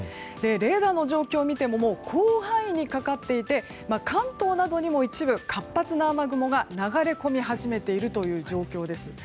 レーダーの状況を見ても広範囲にかかっていて関東などにも一部活発な雨雲が流れ込み始めているという状況です。